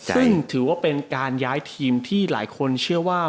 ซึ่งถือว่าเป็นการย้ายทีมที่หลายคนเชื่อว่า